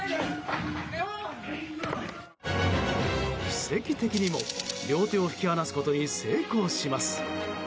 奇跡的にも、両手を引き離すことに成功します。